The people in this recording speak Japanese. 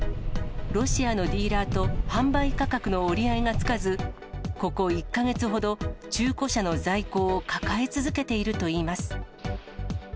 ロシアのディーラーと販売価格の折り合いがつかず、ここ１か月ほど、中古車の在庫を抱え続けているといいます。